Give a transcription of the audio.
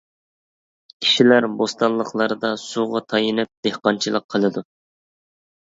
كىشىلەر بوستانلىقلاردا سۇغا تايىنىپ دېھقانچىلىق قىلىدۇ.